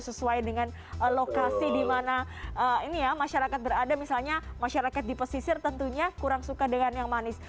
sesuai dengan lokasi di mana ini ya masyarakat berada misalnya masyarakat di pesisir tentunya kurang suka dengan yang manis